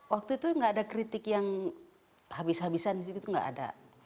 waktu itu gak ada kritik yang habis habisan gitu gak ada